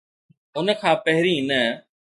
ان کان پھرين نه